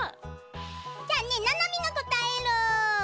じゃあねななみもこたえる。